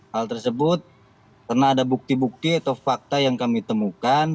hal tersebut karena ada bukti bukti atau fakta yang kami temukan